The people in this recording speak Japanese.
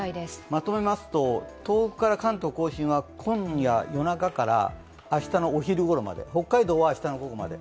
まとめますと、東北から関東甲信は今夜夜中から明日のお昼頃まで、北海道は明日の午後まで。